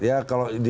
ya kalau dia